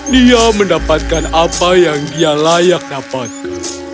dia mendapatkan apa yang dia layak dapat